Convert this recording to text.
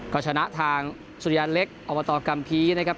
ก็ชนะทางอัมาตอกัมภีร์นะครับ